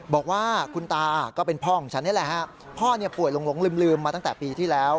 บอกว่าคุณตาก็เป็นพ่อของฉันนี่แหละฮะพ่อป่วยหลงลืมมาตั้งแต่ปีที่แล้ว